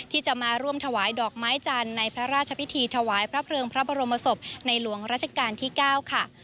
ที่จะมาร่วมถวายดอกไม้จันทร์ในพระราชพิธีถวายพระเพลิงพระบรมศพในหลวงราชการที่๙ค่ะ